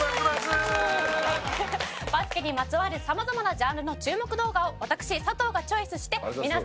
バスケにまつわる様々なジャンルの注目動画を私佐藤がチョイスして皆さんに紹介していきます。